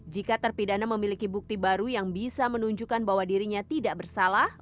jika terpidana memiliki bukti baru yang bisa menunjukkan bahwa dirinya tidak bersalah